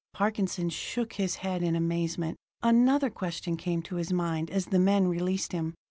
Parkinson shook his head in amazement. Another question came to his mind as the men released him.